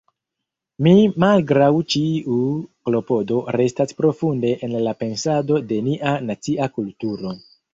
Mi malgraŭ ĉiu klopodo restas profunde en la pensado de nia nacia kulturo.